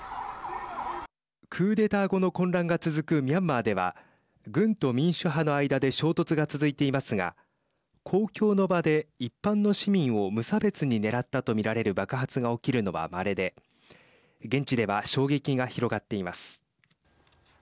クーデター後の混乱が続くミャンマーでは軍と民主派の間で衝突が続いていますが公共の場で一般の市民を無差別に狙ったとみられる爆発が起きるのは、まれで現地では衝撃が広がっています。